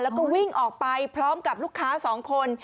แล้วก็วิ่งออกไปพร้อมกับลูกค้า๒คน